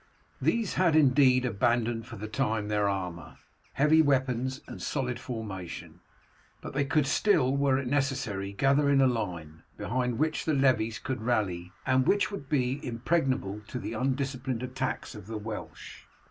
These had indeed abandoned for the time their armour, heavy weapons, and solid formation, but they could still were it necessary gather in a line, behind which the levies could rally, and which would be impregnable to the undisciplined attacks of the Welsh.